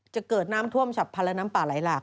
จะเกิดน้ำท่วมฉับพันธ์และน้ำป่าไหลหลาก